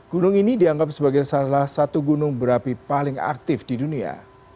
gunung ini dianggap sebagai salah satu gunung berapi paling aktif di dunia